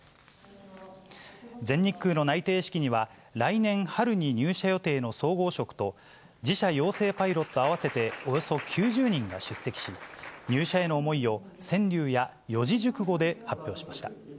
全日空の内定式には、来年春に入社予定の総合職と、自社養成パイロット合わせておよそ９０人が出席し、入社への思いを、川柳や四字熟語で発表しました。